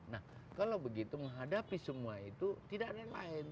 nah kalau begitu menghadapi semua itu tidak ada yang lain